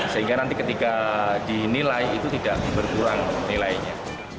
sehingga nanti ketika dinilai itu tidak berkurang nilainya